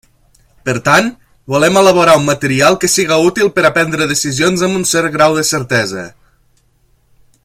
Per tant, volem elaborar un material que siga útil per a prendre decisions amb un cert grau de certesa.